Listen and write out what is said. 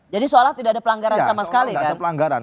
jadi seolah olah tidak ada pelanggaran sama sekali kan